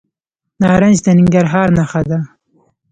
نارنج د ننګرهار نښه ده.